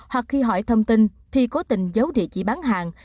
hoặc khi hỏi thông tin thì cố tình giấu địa chỉ bán hàng